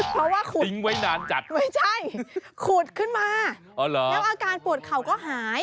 เพราะว่าขุดไม่ใช่ขุดขึ้นมาแล้วอาการปวดเข่าก็หายอ๋อ